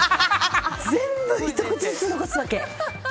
全部ひと口ずつ残すわけ。